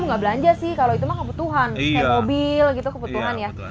nggak belanja sih kalau itu mah kebutuhan kayak mobil gitu kebutuhan ya